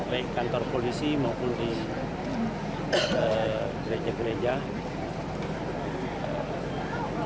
baik kantor polisi maupun di gereja gereja